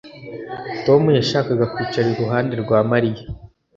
Tom yashakaga kwicara iruhande rwa Mariya